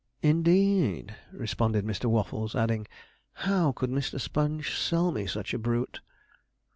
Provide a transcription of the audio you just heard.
'Indeed,' responded Mr. Waffles; adding, 'how could Mr. Sponge sell me such a brute?'